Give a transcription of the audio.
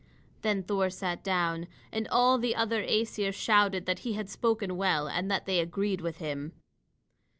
Then Thor sat down. And all the other Æsir shouted that he had spoken well, and that they agreed with him.